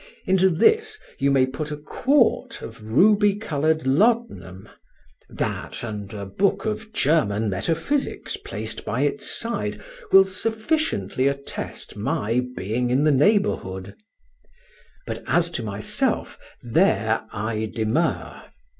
Into this you may put a quart of ruby coloured laudanum; that, and a book of German Metaphysics placed by its side, will sufficiently attest my being in the neighbourhood. But as to myself—there I demur.